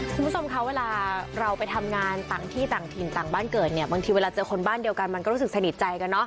คุณผู้ชมคะเวลาเราไปทำงานต่างที่ต่างถิ่นต่างบ้านเกิดเนี่ยบางทีเวลาเจอคนบ้านเดียวกันมันก็รู้สึกสนิทใจกันเนอ